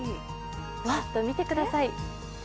ちょっと見てください。